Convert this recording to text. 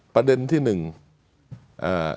ประเด็นนทำไม